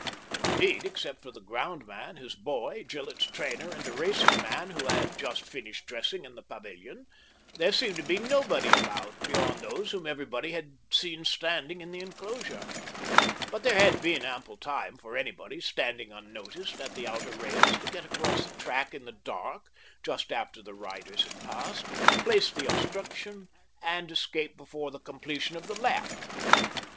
Indeed, except for the ground man, his boy, Gillett's trainer, and a racing man, who had just finished dressing in the paviHon, there seemed to be nobody about beyond those whom everybody had seen standing in the enclosure. But there had been ample time for anybody, standing unnoticed at the outer rails, to get across the track in the dark, just after the riders had passed, place the obstruction, and escape before the com pletion of the lap.